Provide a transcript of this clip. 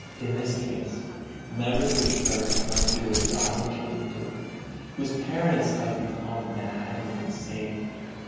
In this case members of the Church must do as godly children do whose parents have become mad and insane.